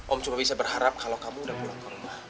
om cuma bisa berharap kalau kamu udah pulang ke rumah